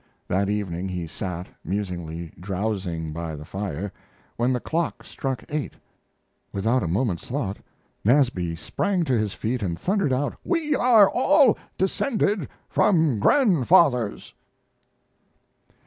That evening he sat, musingly drowsing by the fire, when the clock struck eight. Without a moment's thought Nasby sprang to his feet and thundered out, "We are all descended from grandfathers!"